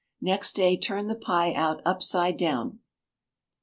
Next day turn the pie out upside down.